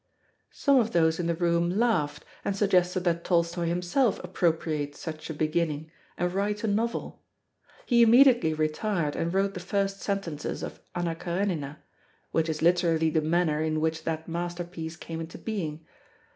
Some of those in the room laughed, and suggested that Tolstoi himself appropriate such a beginning and write a novel. He immediately retired and wrote the first sentences of Anna Karenina; which is literally the manner in which that masterpiece came into being.